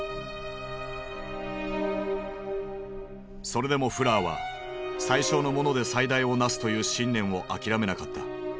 それでもフラーは「最小のもので最大をなす」という信念を諦めなかった。